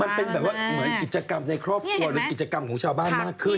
มันเป็นแบบว่าเหมือนกิจกรรมในครอบครัวหรือกิจกรรมของชาวบ้านมากขึ้น